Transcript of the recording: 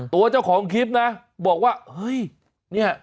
ตัวเจ้าของคลิปนะบอกว่าเฮ้ยเนี่ย